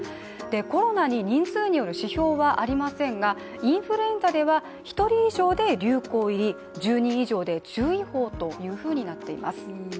コロナに人数による指標はありませんがインフルエンザでは１人以上で流行入り１０人以上で注意報となっています。